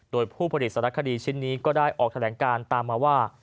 โดยผู้ผลิตสารคดีชิ้นนี้ก็ได้ออกแถลงการตามมาว่า